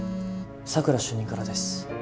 佐久良主任からです